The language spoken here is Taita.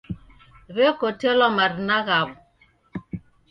W'ekotelwa marina ghawo